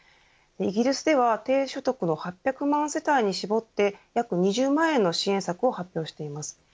イギリスでは低所得の８００万世帯に絞って約２０万円の支援策を発表しています。